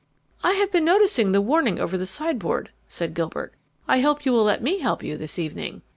"I have been noticing the warning over the sideboard," said Gilbert. "I hope you will let me help you this evening?"